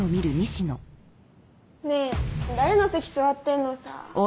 ねぇ誰の席座ってんのさ。